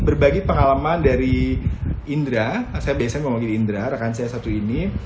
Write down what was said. berbagi pengalaman dari indra saya biasanya ngomong gini indra rakan saya satu ini